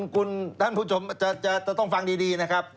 คุณผู้ชมจะต้องฟังดีนะครับ